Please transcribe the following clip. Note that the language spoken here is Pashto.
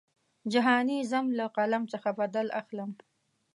جهاني ځم له قلم څخه بدل اخلم.